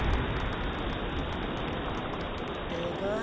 ええか？